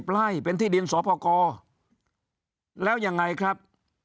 ๑๗๙๐รายเป็นที่ดินสอปกรแล้วยังไงครับ